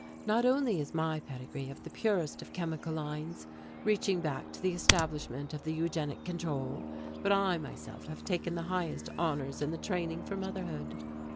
Not only is my pedigree of the purest of chemical lines, reaching back to the establishment of the eugenic control, but I myself have taken the highest honours in the training for motherhood."